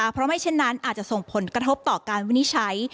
เพราะไม่เช่นนั้นอาจจะส่งผลกระทบต่อการวินิจฉัย